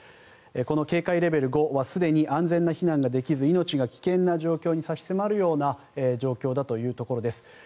この警戒レベル５はすでに安全な避難ができず命が危険な状態に差し迫るような状況だというところです。